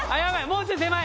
もうちょい手前。